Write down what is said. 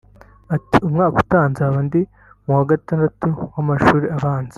Ati “Umwaka utaha nzaba ndi mu wa gatandatu w’amashuri abanza